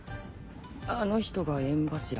あの人が炎柱？